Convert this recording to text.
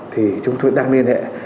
thì chúng tôi đang liên hệ